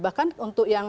bahkan untuk yang